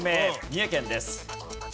三重県です。